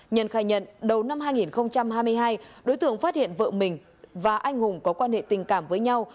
nhân khai nhận đầu năm hai nghìn hai mươi hai đối tượng phát hiện vợ mình và anh hùng có quan hệ tình cảm với nhau